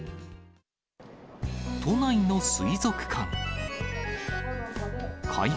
都内の水族館。